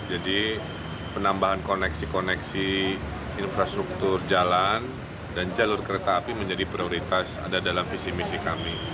jadi penambahan koneksi koneksi infrastruktur jalan dan jalur kereta api menjadi prioritas ada dalam visi misi kami